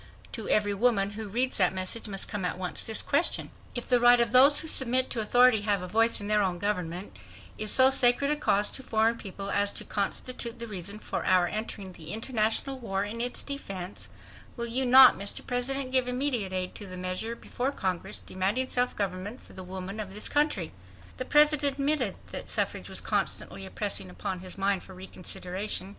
. To every woman who reads that message must come at once this question: If the right of those who submit to authority to have a voice in their own government is so sacred a cause to foreign people as to constitute the reason for our entering the international war in its defense, will you not, Mr. President, give immediate aid to the measure before Congress demanding self government for the women of this country?" The President admitted that suffrage was constantly pressing upon his mind for reconsideration.